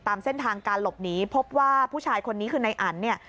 ตามเส้นทางการหลบหนีพบว่าผู้ชายคนนี้คือนายอันเนี่ย